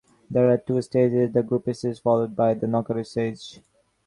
There are two stages: the group stage followed by the knockout stage.